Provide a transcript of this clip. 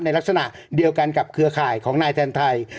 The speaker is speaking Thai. ลักษณะเดียวกันกับเครือข่ายของนายแทนไทย